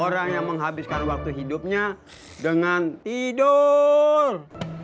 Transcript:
orang yang menghabiskan waktu hidupnya dengan tidur